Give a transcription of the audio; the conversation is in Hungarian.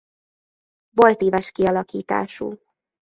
Boltíves kialakítású.